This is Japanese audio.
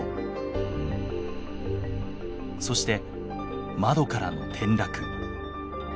そして窓からの転落。